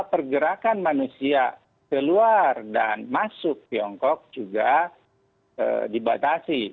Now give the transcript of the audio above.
pergerakan manusia keluar dan masuk tiongkok juga dibatasi